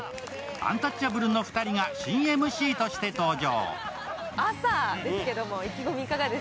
アンタッチャブルの２人が新ＭＣとして登場。